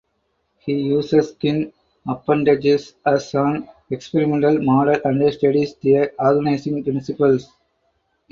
He uses skin appendages as an experimental model and studies their organizing principles.